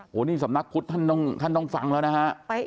โอ้โหนี่สำนักพุทธท่านต้องฟังแล้วนะฮะ